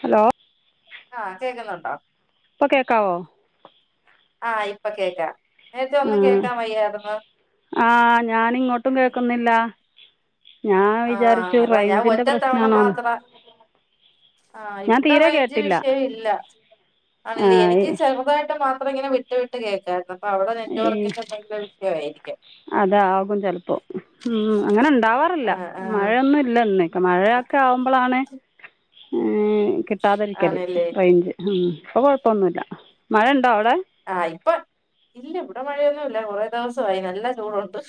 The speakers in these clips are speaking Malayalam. ഹലോ ആഹ് കേൾക്കുന്നുണ്ടോ ഇപ്പൊ കേക്കാവോ ആഹ് ഇപ്പൊ കേക്ക ആഹ് ആഹ് ഞാനിങ്ങോട്ടും കേക്ക് നില്ല ആഹ് അതാ ഞാൻ ഒറ്റത്തവണ പ്രശ്നമാണോയെന്ന് മാത്ര ആഹ് ഞാൻ ഇവിടെ തീരെ റൈഞ്ച് കേട്ടില്ല വിഷയം ഇല്ല ആണി ആ ല്ലെ ഈ ഇനിക്ക് ചെറുതായിട്ട് മാത്ര [unintelligible] ഇങ്ങെ വിട്ട് വിട്ട് കേൾക്കാര്ന്നു അപ്പൊ അവിടെ ഈ നെറ്റ്‌വർക്കിന്റെ ന്തേലും അ ആയിരിക്കാ അതാകും ചെല് പ്പോ ഉം അങ്ങനെ ഇണ്ടാവാ ല്ല ആഹ് മഴയൊന്നുല്ല ഇന്ന് ആഹ് മഴയക്കെ ആവുമ്പള [inaudible] അണെ ഏഹ് കിട്ട് കിട്ടാതിരിക്കല് ആണല്ലേ റേഞ്ച് ഹും ഇപ്പൊ കൊഴപ്പൊന്നുല്ല ആഹ് ഇപ്പൊ ഇല്ല ഇവിടെ മഴ ല്ല കൊറെേ ദിവസവായി നല്ല ചൂടോണ്ട്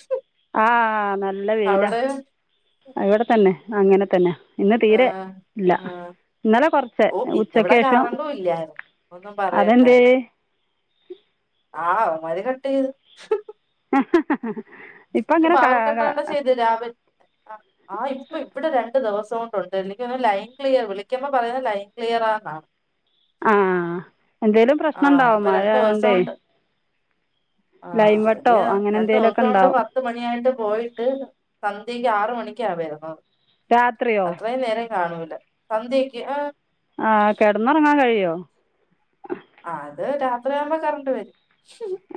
ആഹ് നല്ല വെയിലാ ഇവടെ തന്നെ അങ്ങനെ തന്നെ ഇന്ന് തീരെ ആഹ് ഇല്ല ആഹ് ഇന്നലെ കൊറച്ച് ഓ ഉച്ചക്ക് ഇന്നിവിടെ ശേഷം കറണ്ടും ഇല്ലായിരുന്നു ഒന്നും അതെന്തെ പറയണ്ടായിരുന്നു ട്ടേത് ഇപ്പം അങ്ങനെ പവർകട്ടോണ്ട് ചെയ്തേല് അവർ ആ ഇപ്പൊ ഇവടെ രണ്ടു ദിവസോ ണ്ട് എനിക്ക് ലൈൻ ക്ലിയർ വിളിക്കുമ്പോ പറയുന്നേ ലൈൻ ക്ലിയറാന്നാ ആഹ് ആഹ് ഇപ്പാ രണ്ടു ദിവസോണ്ട് ആഹ് ലൈൻ ഒരു വെട്ടമോ അങ്ങനെ രണ്ടു എന്തെങ്കിലുമൊക്കെ ദിവസൊണ്ട് ഉണ്ടാവും പത്ത്‌ മണിയായിട്ട് പോയിട്ട് സന്ധ്യക്ക് ആറ് മണി ക്കാ വരുന്നത് രാത്രിയോ? കാണൂല്ല സന്ധ്യക്ക് ആഹ് ആഹ് കെടന്നൊറങ്ങാൻ കഴിയോ ആ ത് രാത്രിയാവുമ്പോ കറണ്ട് വരും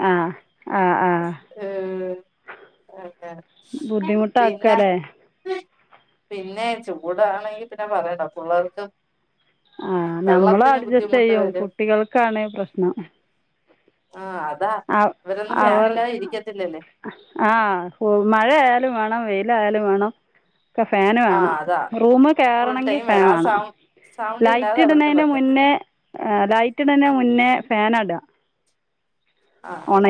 ആ ആ ആ ഏ അങ്ങനെ പിന്നെ ബുദ്ധിമുട്ടാക്കല്ലേ പിന്നെ ചൂടാണെങ്കി പിന്നെ പറയണ്ട പിള്ളേർക്ക് ആ നമ്മള് വെള്ളത്തിന് അഡ്ജസ്റ്റ് ബുദ്ധിമുട്ട് ചെയ്യും വരും കുട്ടികൾ കാണേ പ്രശ്നം ആ അതാ അവ് ഇവരൊന്നും അവർ ഫാനില്ലാതെ ഇരിക്കത്തില്ലല്ലേ ആ [unintelligible] മഴയായാലും വേണം വെയി ന്താആയാലും വേണം ഒക്ക ഫാന് ആ വേണം അതാ റൂമ് ഫുൾ കയറണങ്കിൽ ടൈം ഫാൻ ആ വേണം സൗണ്ട് സൗണ്ട് ഇല്ലാതെ ലൈറ്റ് അവർക്ക് ഇടനേണ് പറ്റത്തില്ല മുന്നേ ലൈറ്റ് ഇടനേ മുന്നേ ഫ്യാനട ആ അത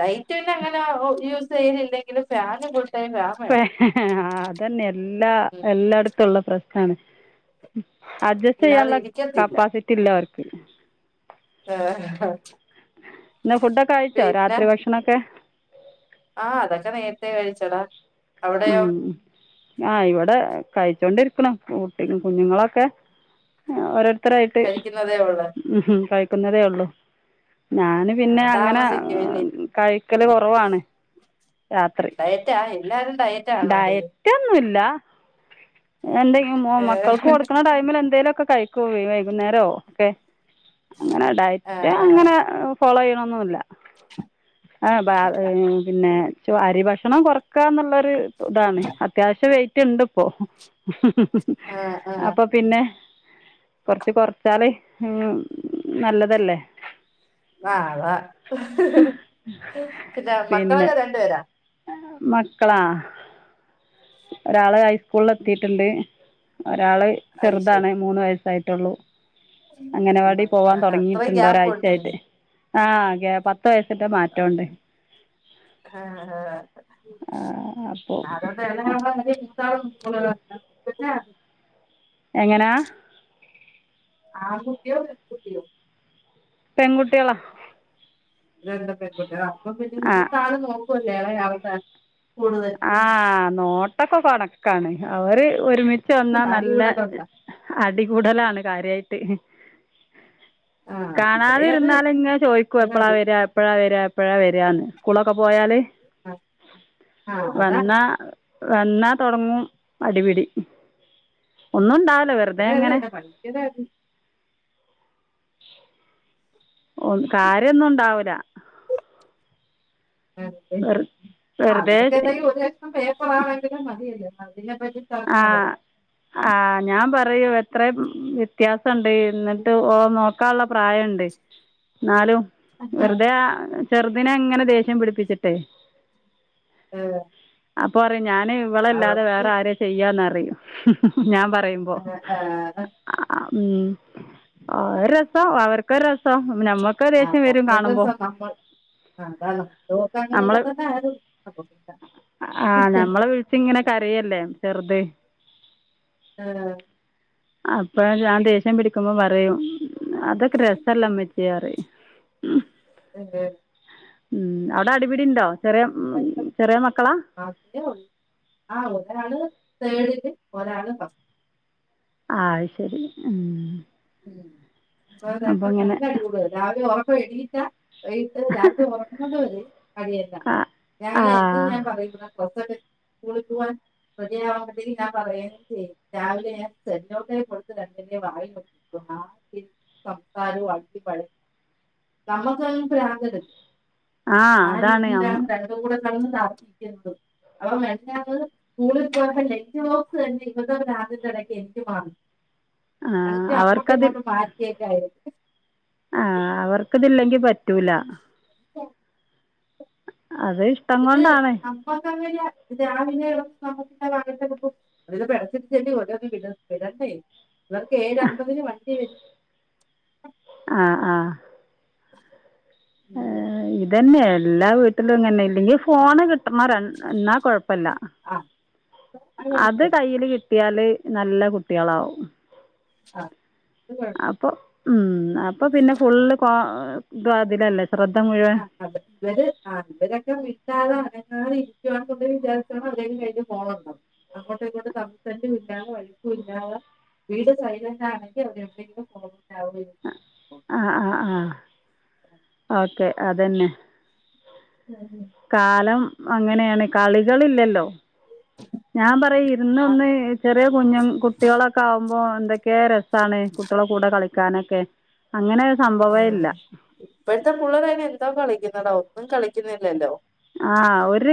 ലൈറ്റ് പിന്നെ അങ്ങന ഒ യൂസ് ചെയ്തില്ലെങ്കിലും ഫ്യാന് ഫുൾ ടൈം ഫാൻ വേണം അതന്നെ എല്ലാ ഉം എല്ലാടത്തുള്ള പ്രശ് ആണ് അഡ്ജസ്റ്റ് ഇല്ലാതെ ചെയ്യാള്ള ഇരിക്കത്തില്ല കപ്പാസിറ്റി ഇല്ല അവർക്ക് പിന്നെ ഏഹ് ഇന്ന് ഫുഡൊക്കെ കഴിച്ചോ പിന്നെ രാത്രി ഭക്ഷണൊക്കെ ആ അതൊക്കെ നേരത്തെ കഴിച്ചൊടാ ഉം ആ ഇവിടെ കഴിച്ചോണ്ടിരിക്കണു ഉ [unintelligible] കുഞ്ഞുങ്ങളൊക്കെ ഓരോരു എത്രായിട്ട് കഴിക്കുന്നതേ ഉള്ളൂ ഉഹും കഴ് ക്കുന്നതേ ഒള്ളോ ഞാന് ആ പിന്നെ അങ്ങനെ താമസിക്കൂല്ലേ കഴിക്കല് കുറവാണ് രാത്രി ഡയറ്റാ എല്ലാരും ഡയറ്റ് ആണോടി ഡയറ്റ് ഒന്നുവില്ല ആ എന്തെങ്കിലും മൊ ആ മക്കൾക്ക് കൊടുക്കണ ടൈമിൽ എന്തേലൊക് ഒക്കെ കഴിക്കൊ വെ വൈകുന്നേരോ ഒക്കെ അങ്ങന ആ ഡയ്റ്റ് ആ അങ്ങന ഒ ഫോളോ ചെയ്യണൊന്നുല്ല ആ ബാ പിന്നെ ചൊ അരി ഭക്ഷണം കൊറക്കാ എന്നൊള്ള അ ഇതാണ് അത്യാവശ്യ വെയ് ട്ടിണ്ട് ഇപ്പോ ആ അപ്പൊ ആ പിന്നെ കൊറച്ച് കൊറച്ചാല് ഉ നല്ലതല്ലേ ആ പിന്നെ മക്കളൊക്കെ രണ്ടുപേരാ മക്കളാ ഒരാള് ഹൈസ്കൂളിൽ എത്തിട്ടുണ്ട് ഒരാള് അത് ചെറുതാണ് ശരി മൂന്ന് വയസ് ട്ടായിട്ടുള്ളൂ അംഗനവാടി പോവാൻ അത്ര തുടങ്ങിട്ടുണ്ടോ ഗ്യാപ്പ് ഉണ്ടല്ലേ ഒരാഴ്ചയായിട്ട് ആ ഗ്യാപ്പ് പത്ത് വയസിട്ട മാറ്റംണ്ട് [unintelligible] [unintelligible] എങ്ങനാ ആൺകുട്ടിയോ പെൺകുട്ടിയോ പെൺകുട്ടികളാ അതെന്തപെൺകുട്ടികളാ അപ്പൊ പിന്നെ നീക്ക ആള് നോക്ക [unintelligible] ആഹ നോട്ടൊക്കെ കൊണക്ക് കാണ അവര് ഒരുമി വന്നാ അടി നല്ല കൂടലുണ്ട അടികൂടലാണ് കാര്യമായിട്ട് [unintelligible] ആ ഇവിടെ കാണാതെ അത് ഇരുന്നാലും ഇങ്ങെ ചോയ്ക്കും എപ്പഴാ എടി വര എപ്പഴാ വര എപ്പോഴാ വരന്ന് സ്കൂളൊക്കെ പോയാല് ആ അതാണ് എന്ന വന്നാ തുടങ്ങും അടിപിടി ഒന്നും ഉണ്ടാവില്ല വെറുതെ ഇവിടേത് ഇങ്ങനെ തന്നെ പഠിക്കലാണ് കാര്യന്നും ഉണ്ടാവൂല [unintelligible] ആ അവർക്ക് വെറുതെ എന്തെങ്കിലും ഒരു കഷണം പേപ്പർ ആണെങ്കിലും മതിയല്ലോ അതിനെപ്പറ്റി ആ തർക്കാവും ആ ഞാൻ പറയൂന്ന അത്രയും വ്യത്യാസ ണ്ടേ എന്നിട്ട് ഓ നോ അത്ര ഉള്ള പ്രായം ഉണ്ട് എന്നാലും വെറുതെ ആ ചെറുതിനെ എങ്ങനെ ദേഷ്യം പിടിപ്പിച്ചിട്ടെ ആ അപ്പോ ഞാന് ഇവളല്ലാതെ വേറെ ആര് നറയും ഞാൻ പറ യുമ്പേ ആ ഉം ആ രസം അവർ ക്കെ രസാണ് അപ്പസ നമ്മൾ ആ അതാണ് നോക്കൻ നമ്മൾ കഴിയില്ലാത്ത കൊണ്ടാണ് അപ്പം ആ പി ദേ ആ അപ്പ ഞാൻ ദേ വിളിക്കുമ്പോ പറയും അതൊക്കെ രസല്ലേമ്മച്ചിയെ പറയും [inaudible] [unintelligible] ഉം അവിടെ അടിപിടി ഉണ്ടോ ചെറിയ ഉം, [unintelligible] ചെറിയ മക്കളാണ് ആ ഉള്ള ആ ഒരാള് തേടില് ഒരാള് ഫസ്റ്റ് ആ അത് ശരി ഉം ആ രണ്ടും നല്ല അടി കൂടും രാവിലെ ഇപ്പം എണിറ്റ വൈട്ട് രാത്രി ഉറങ്ങുന്നത് വരേം അടിതന്ന ആ ആ ഞാന് എന്ത് ഞാൻ പറയുന്ന പുറത്തോട്ട് സ്‌കൂളിൽ പോവാൻ റെഡിയാവുമ്പോഴേ ത്തേക്കും ഞാൻ പറയേ ചെയ്യും രാവിലെ സെൻതേസ് ഡെ കൊണ്ട് കൊടുത്തിട്ട് രണ്ടൻ്റെ വായി [unintelligible] ഇപ്പം കാല് അടിപഴു നമുക്ക് പ്രാന്ത് എടുക്കും ആ അതാണ് അമ്മ [unintelligible] അപ്പം രണ്ടാമത് സ്കൂളിൽ പോകുപ്പോ ലെഞ്ച് ബോക്സ് തന്നെ ഇരിക്കുക അതിൻ്റെ ഇടയ്ക്ക് എനിക്ക് മാ ആ അ അങ്ങോട്ടും അവർക്കത് ഇങ്ങോട്ടും [unintelligible] റ്റൂല്ല ഓ അത് ഇഷ്ടം കൊണ്ടാണ് നമ്മക്കങ്ങനെ രാവിലെ [unintelligible] ഓരോന്ന് വിടണ്ടെ ഇവർക്ക് ഏഴ് അമ്പതിന് വണ്ടി വരും ആഹ ആഹ [inaudible] ആ ഉം ഇതന്നെ എല്ലാ വീട്ടിലും ഇങ്ങനെതന്നെ അല്ലങ്കി ഫോണ് കി മാർ എന്നാ കൊഴപ്പില്ല ആ അത് കൈയില് കിട്ടിയാല് നല്ല കുട്ടികളാവും ആ ഉം അപ്പൊ പിന്നെ ഫുള്ള് എന്താ അതില്ലല്ല ആ ഇവര് ആ ഇവരൊക്കെ വീട്ട ങ്ങാനരിക്കുവാണ്ട വിചാരിച്ചണോ അവരേക്ക കയ്യിൽ ഫോണുണ്ടന്ന് അങ്ങോട്ടും ഇങ്ങോട്ട് തമ്പസറ്റും ഇല്ലാതെ വഴുക്കും ഇല്ലതെ വീട് സൈലന്റ് ആണെങ്കിൽ അവർ എവിടെങ്കിലും പോകും ആ ആ ആ ഓക്കെ അതന്നെ കാലം അങ്ങനെയാണ് കളികളില്ലല്ലോ ഞാൻ പറയും ഇരുന്ന് ആഹ് ഒന്ന് ചെറിയ കുഞ്ഞും കുട്ടികളൊക്കെ ആകുമ്പ അപ്പ എന്തൊക്കെയ രസാണ് കുട്ടികളെ കൂടെ കളിക്കാനൊക്കെ അങ്ങനെ ആ സംഭവമേ ഇല്ല ഇപ്പോഴത്തെ പുള്ളരൊക്കെ എന്തോ കളിക്കുന് ന്നത് ഒന്നും കളിക്കുന്നില്ലല്ലോ ആഹ് ഒരു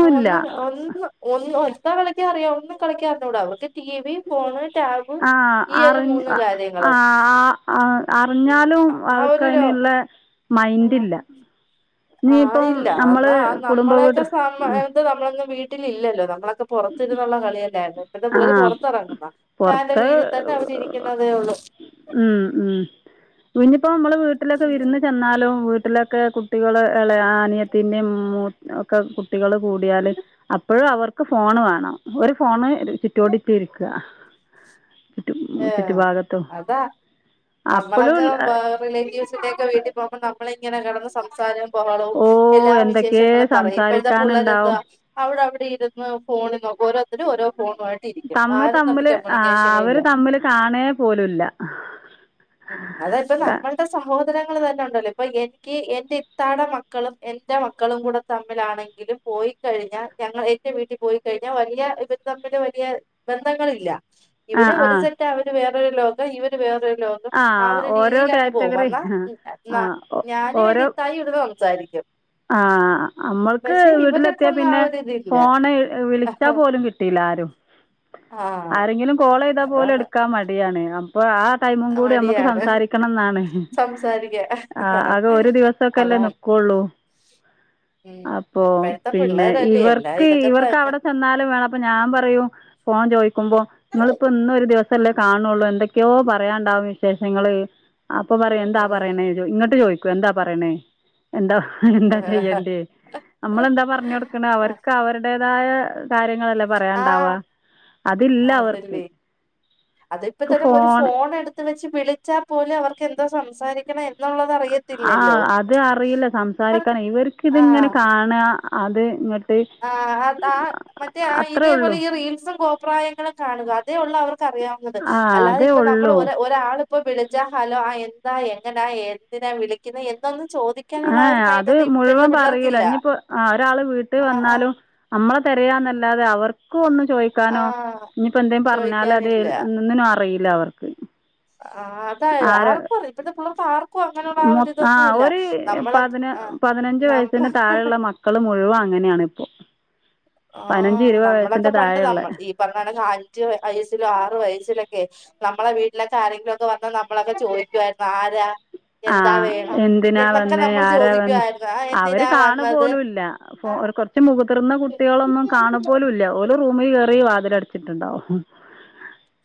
ആ ഒന്ന് ഒന്ന് ഒന്ന് എന്തോ കളിക്കാനറിയാം ഒന്നും കളിക്കാൻ അറിഞ്ഞൂട അവർക്ക് ടി വി ഫോണ് ടാബ് ആ ഈ ഒരു അറി മൂന്ന് ആ കാര്യങ്ങള് അറിഞ്ഞാലും ആ ഒരു അവക്കതിനുള്ള ലോ മൈൻഡില്ലാ ആ ഇല്ല എന്നാൽ നമ്മളെയൊക്കെ വീട് ആ സമയത്ത് നമ്മള് വീട്ടിലില്ലല്ലോ നമ്മളൊക്കെ പുറത്തിരുന്നള്ള കളിയല്ല ഇപ്പത്തെ ആ പുള്ളര് പുറത്തിറങ്ങുന്ന ഫാന്റെ പുറത്ത് കീഴിൽ തന്നെ അവിടെ ഇരിക്കുന്നതേ ഉള്ളൂ ഉം ഉം വി [unintelligible] ഇപ്പൊ അമ്മള് വീട്ട്ലൊക്കെ വിരുന്ന്ചെന്നാലും വീട്ട്ലൊക്കെ കുട്ടികള് ഇള അനിയത്തിന്റിം മൂ ഒക്കെകുട്ടികള്കൂടിയാല് അപ്പൊഴും അവർക്ക് ഫോണ് വാണം ഒരുഫോണ് ഉം ചിറ്റോടിറ്റുംഇരിക്ക ചുറ്റം ഏഹ് ചുറ്റുഭാഗത്തും അതാ നമ്മളൊക്കെ അപ്പോഴും റിലേറ്റീവ്സിന്റെ ഒക്കെവീട്ടീപോകുമ്പോ നമ്മളെയ് ഇങ്ങനെ കെട്ന്ന് സംസാരം ബഹളവും ഓ എന്തൊക്കെ എല്ലാവിശേഷങ്ങളുംപറയും ഇപ്പോഴ്ത്തെ പുള്ളരെന്ത സംസാരിക്കാനുണ്ടാവും അവിടെവി ഇരുന്ന് ഫോണ് നോക്കും ഓരോത്തര്ഓരോ ഫോണുവായിട്ടിരിക്കും തമ്മ് ആരുംതമ്മി തമ്മില് ആ ഷനുല അവര് തമ്മില് കാണേ പോലുല്ല അതേറ്റെ ക നമ്മളുടെ സഹോദരങ്ങൾ തന്നേണ്ടല്ലോപ്പൊ പ്പൊഎനിക്ക് എന്റെഇത്താടെമക്കളും എന്റെമക്കളുംകൂടെതമ്മിലാണെങ്കിലും പോയിക്കഴിഞ്ഞാൽ ഞങ്ങൾ എന്റെവീട്ടിപോയികഴിഞ്ഞാൽ വലിയഇവര്തമ്മ്ല് വലിയബന്ധങ്ങളില്ല ആ ആ ഇവര്ഒരുസെറ്റാ അവര് വേ ര് ലോക ഇവര് വേറെ ലോകം ആ ഒരു ഓരോ രീതിലങ്ങ്പോവും കാറ്റഗറി ആ വന്നാ ഞാനും എന്റെഇത്തായി ഇട് സാരിക്കും ആഹ് അമ്മൾക്ക് ഇവരൊക്കെ ഒന്നും ആ വീട്ട്ലെത്തിയാപിന്നെ ഒരു ഇതില്ല ഫോണ് വിളിച്ചാപോലുംകിട്ടില്ലാ ആരും ആഹ് ആരെങ്കിലും കോളെയ്താപോലും അതാണ് എടുക്കാം മടി ര്യാണ് അപ്പൊഴാ ഹ് ടൈമുംകൂടി അമ്മക്ക് മടിയാണ് സംസാരിക്കണംന്നാണ് സംസാരിക്കാൻ ആഹ് അത്ഒരു ദിവസൊക്കെല്ലേ അതാണ് നിക്കൊള്ളൂ ഉം അപ്പൊ ഇപ്പഴത്തെ പിന്നെ പിള്ളേരല്ലേ എല്ലാം ഇവർക്ക് ഇതൊക്കെ തന്നെ ഇവർക്കവ്ടെ ചെന്നാലുംവേണം അപ്പൊഞാൻപറയും ഫോൺചോയിക്കുമ്പോ ഇങ്ങ്ള്പ്പോ ഇന്നൊര് ദിവസല്ലേകാൺണൊള്ളൂ എന്തൊക്കെയോ പറയാൻണ്ടാവും വിശേഷങ്ങള് അപ്പൊപറയും എന്താപറയണേ ഇങ്ങട്ട് ചോയി ക്കും എന്താപറയണേ എന്താ എന്താചെയ്യണ്ടേ നമ്മളെന്താപറ്ഞ്ഞൊട്ക്കണെ അവർക്ക്അവര്ടേ താഴെ കാ [unintelligible] ങ്ങളല്ലേ പറയാണ്ടാവാ ആഹ് അതില്ലഅവർക്ക് അതല്ലേ ക്ക് ഫോണ് വിളിച്ച പോലും അവർക്കെന്താ സംസാരിക്കണെ ആ അത് അറിയില്ല ഇപ്പ സംസാരിക്കണം ഇവർക്ക് ഇതിങ്ങനെ കാണാ അത് ഇങട്ട് ആ അ ആ മറ്റേ അത്രയേ ഇതേപോലെ ഉള്ളൂ ഈ റീൽസും കോപ്രായങ്ങളും കാണുക അതേ ഉള്ള് അവർക്ക് റിയാവുന്നത് ആ അതേ അല്ലാതെപ്പ നമ്മള് ഉള്ളൂ ഒരാള് ഇപ്പോ വിളി ച്ച ഹാലോ ആ എന്താ എങ്ങനാ എന്തിനാ വിളിക്കുന്നെ എന്തൊന്ന് ആഎ അത് മുഴുവൻ പറയൂല പിള്ളേർക്കില്ല ഞ്പ്പോ ആ ഒരാള് വീട്ട് ക്ക് ആഹ് വന്നാലും അ മ്മളെ തെരയാന്നല്ലാതെ അവർ ക്കു ഒന്ന് ചോയ്ക്കാനോ ആഹ് ഇനിയിപ്പോ എന്തേം പറഞ്ഞാലോ ചോദിക്കാനില്ല അതെന്നിനും അറിയില ഇല്ലാവർക്ക് ആ അതായ ആർക്കും അതെ ഇപ്പത്തെ പിള്ളേർക്കാർക്കും അങ്ങനെയുള്ള ആ മൊ ഒരു ഇതൊന്നുല്ല ഒരു നമ്മള പതിന ആ പതിനഞ്ച് നമ്മ വയസ്സിന് താഴെയുള്ള മക്കൾ മുഴുവൻ അങ്ങനെയാണ് ഇപ്പൊ ആ നമ്മളൊക്കെ പണ്ട് നമ്മൾ ഈ പറയണകണക്ക് അഞ്ചു വയസ്സിലോ ആറ് വയസ്സിലൊ നമ്മളെ വീട്ടിലൊക്കെ ആരെങ്കിലൊക്കെ വന്നാ നമ്മളൊക്കെ ചോയ്ക്കായിരുന്നു ആരാ എന്താ ആഹ് വേണം എന്തിനാ എന്നൊക്കെ വന്നേ നമ്മൾ ആരാ വന്ന് ചോദിക്കുവായിരുന്നു ആ അവര് എന്തിനാ കാണു വന്നത് പോലുംല്ല കൊറച്ച് മുതിർന്ന കുട്ടിക ളൊന്നും കാണ പോലുല്ല റൂമിൽ കേറി വാതിലട്ച്ചിട്ടുണ്ടാവും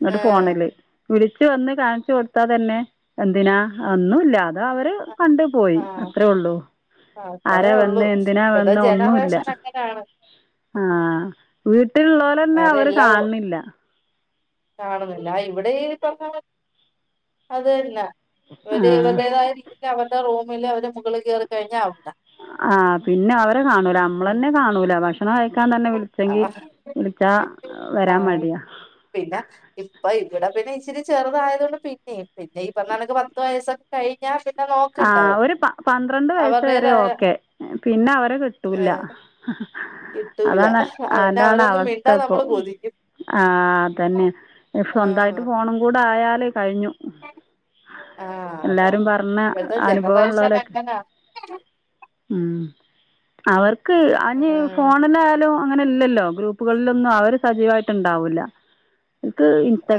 ങ്ങട്ട് ഫോണില് വിളി ച്ചു വന്ന് കാണ്ച്ചു കൊടുത്താ തന്നെ എന്തിനാ ഒന്നുല്ലാ അതവര് കണ്ടു പോയി ആ അത്രയേ ഉള്ളു ആ, അത്രേ ആരാ ഉള്ളൂ വന്ന് എന്തിനാ ഇപ്പഴത്തെ വന്ന് ഒന്നുല്ല ജനറേഷൻ അങ്ങനെയാണ് ആഹ് വീ ട്ടില്ള്ളോരെന്നെ വേറെ അവര് എല്ലാം ഓ- കാണണില്ല കാണുന്നില്ല ഇവിടെ ഈ പറഞ്ഞാ അതന്നെ ആ അതെവർടേതായ രീ അവരുടെ റൂമില് അവര് മുകളിൽ കേറി കഴിഞ്ഞാ ആവു ആഹ് പിന്നവരെ കാണൂല ഉം മ്മളെന്നെ കാണൂല ഭഷ് [unintelligible] കൈക്കാൻ തന്നെ വിൾച്ചെങ്കി ആഹ് വിളിച്ചാ വരാൻ ആഹ് മടിയാ ച്ചിരി ചെറുതായതോണ്ട് പിന്നിം. പിന്നെ ഇപർഞണക്ക് പത്ത് വയസ്സൊ കഴിഞ്ഞാ ആഹ് നോക്കണ്ടാവില്ല ഒരു പ പന്ത്രണ്ട് വയസ്സെരെ അവരുടേതായ ഓക്കെ പിന്നെ അവരെ കിട്ടൂല്ല. കിട്ടൂല അതാണ് പിന്നെ അവരൊന്നും മിണ്ടാ അതാണവസ്ഥപ്പോ നമ്മള് കൊതിക്കും ആ അതന്നെ സ്വന്തായിട്ട് ആഹ് ഫോണും കൂടായാ കഴിഞ്ഞു. ആഹ് അതാ എല്ലാരും പർഞ്ഞ ഇപ്പഴത്തെ ജനറേഷൻ അനുഭവംള്ളോലൊക്കെ അങ്ങനാ ഉം അവർ ഇക്ക് ആഹ് അഞ്ഫോണിലായാലും അങ്ങനെല്ലല്ലോ ഗ്രൂപ്പ് വെല്ലുന്നഅവര് സജീവമായിട്ടുണ്ട്. ഉണ്ടാവുല്ല ഇക്ക്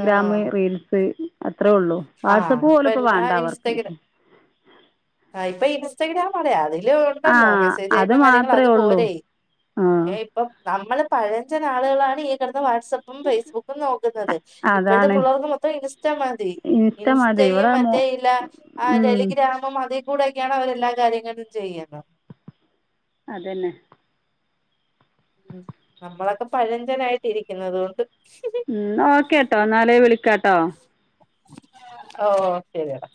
ആഹ് അത്രേ ഉള്ളു ആഹ് വാട്സപ്പ് ഇപ്പ പോലെ ഇപ്പോ വേണ്ട അവർക്ക് ആ ഇപ്പൊ ഇൻസ്റ്റഗ്രാം അറിയാ തെ ഇല്ല ആ ഉണ്ടല്ലോ മെസ്സേജ് അത് ആയപ്പ കാര്യങ്ങൾ മാത്രമേ അത് ഉള്ളൂ പോരെ ആ ഇപ്പം നമ്മള് പഴചൻ അളുകളാണ് ഈ ക വാട്സപ്പും ഫേസ്ബുക്കും നോക്കുന്നത് ഇപ്പോഴത്തെ അതാണ് പിള്ളർക്ക് മൊത്തം ഇൻസ്റ്റ മതി ഇൻസ്റ്റ മതി ഇൻസ്റ്റയും ഇവിടെ മോ മറ്റേല്ല ടെലിഗ്രാമും അത കൂടെക്കെയാണ് അവരെല്ലാ കാര്യങ്ങളും ചെയ്യുന്നത് അതന്നെ ഉ നമ്മളൊക്കെ പഴഞ്ചനായിട്ട് ഇരിക്കുന്ന അതുകൊണ്ട് ഉം ഓക്കെട്ടോ നാലേ വിളിക്കാട്ടോ ഓ ശരിയടാ